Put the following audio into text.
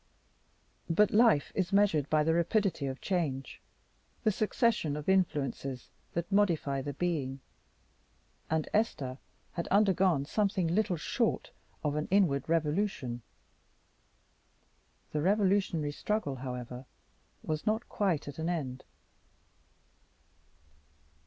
But life is measured by the rapidity of change, the succession of influences that modify the being; and Esther had undergone something little short of an inward revolution. The revolutionary struggle, however, was not quite at an end.